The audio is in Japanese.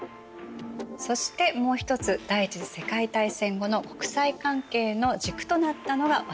そしてもう一つ第一次世界大戦後の国際関係の軸となったのがワシントン体制。